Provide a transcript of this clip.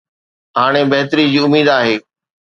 هاڻي بهتري جي اميد آهي.